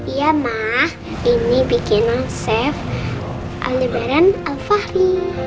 iya mah ini bikinan chef al liberan al fahri